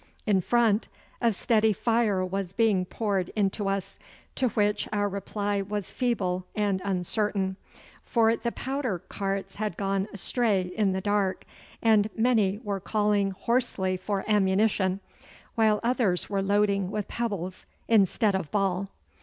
In front a steady fire was being poured into us, to which our reply was feeble and uncertain, for the powder carts had gone astray in the dark, and many were calling hoarsely for ammunition, while others were loading with pebbles instead of ball.